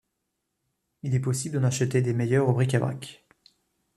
Il est possible d'en acheter des meilleures au bric-à-brac.